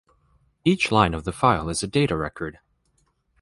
Each line of the file is a data record.